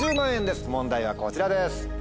問題はこちらです！